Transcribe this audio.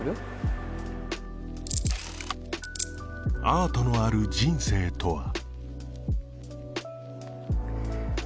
アートのある人生とは？